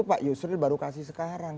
pak yusril baru kasih sekarang